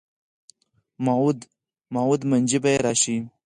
موعود منجي به یې راشي.